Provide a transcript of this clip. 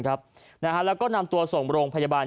แล้วก็นำตัวส่งโรงพยาบาล